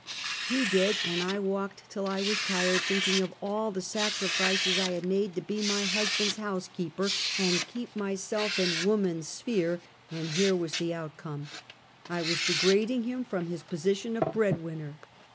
He did, and I walked till I was tired, thinking of all the sacrifices I had made to be my husband's house keeper and keep myself in woman's sphere, and here was the outcome! I was degrading him from his po sition of bread winner.